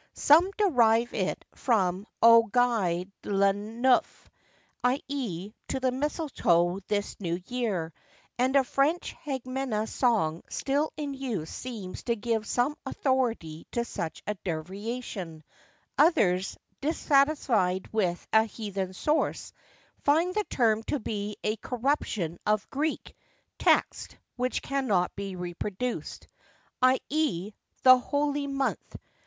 Some derive it from 'au guy l'an neuf,' i.e., to the misletoe this new year, and a French Hagmena song still in use seems to give some authority to such a derivation; others, dissatisfied with a heathen source, find the term to be a corruption of [Greek text which cannot be reproduced], i.e., the holy month.